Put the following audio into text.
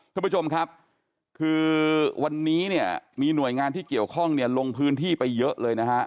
ท่านผู้ชมครับคือวันนี้เนี่ยมีหน่วยงานที่เกี่ยวข้องเนี่ยลงพื้นที่ไปเยอะเลยนะฮะ